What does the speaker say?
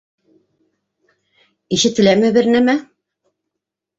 Ишетеләме бер нәмә?